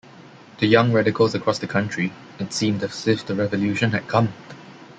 To young radicals across the country it seemed as if the revolution had come.